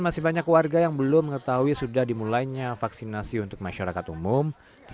masih banyak warga yang belum mengetahui sudah dimulainya vaksinasi untuk masyarakat umum